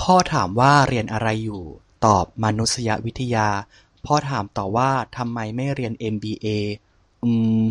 พ่อถามว่า เรียนอะไรอยู่ ตอบ มานุษยวิทยา พ่อถามต่อว่า ทำไมไม่เรียนเอ็มบีเอ ? อืมมม